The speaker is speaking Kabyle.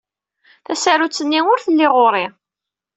Tasarut-nni ur telli ɣur-i.